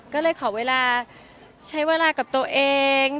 ก็เลยขอเวลาใช้เวลากับตัวเอง